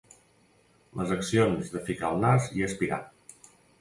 Les accions de ficar el nas i aspirar.